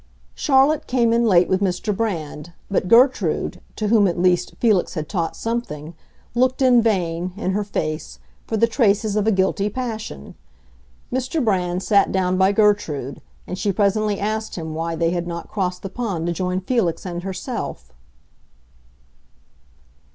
Charlotte came in late with Mr. Brand; but Gertrude, to whom, at least, Felix had taught something, looked in vain, in her face, for the traces of a guilty passion. Mr. Brand sat down by Gertrude, and she presently asked him why they had not crossed the pond to join Felix and herself.